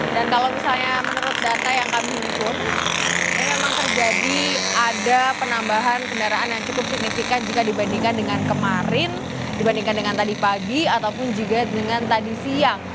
dan kalau misalnya menurut data yang kami ikut ini memang terjadi ada penambahan kendaraan yang cukup signifikan jika dibandingkan dengan kemarin dibandingkan dengan tadi pagi ataupun juga dengan tadi siang